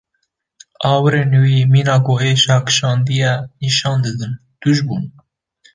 Awirên wî mîna ku êşa kişandiye nîşan didin tûj bûn.